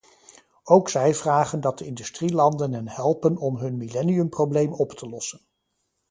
Ook zij vragen dat de industrielanden hen helpen om hun millenniumprobleem op te lossen.